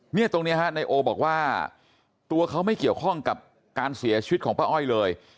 เนี่ยตรงนี้ฮะนายโอบอกว่าตัวเขาไม่เกี่ยวข้องกับการเสียชีวิตของป้าอ้อยเลย